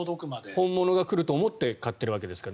本物が届くと思って買っているわけですから。